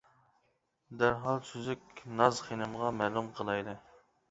دەرھال سۈزۈك ناز خېنىمغا مەلۇم قىلايلى.